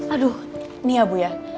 aduh ini ya bu ya